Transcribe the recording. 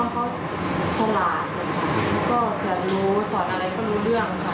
น้องเขาฉลาดค่ะแล้วก็จะรู้สอนอะไรก็รู้เรื่องค่ะ